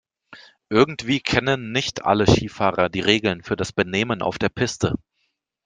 Irgendwie kennen nicht alle Skifahrer die Regeln für das Benehmen auf der Piste.